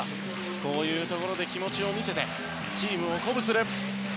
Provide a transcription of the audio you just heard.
こういうところで気持ちを見せてチームを鼓舞する。